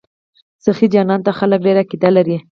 سخي جان ته خلک ډیر عقیدت لري.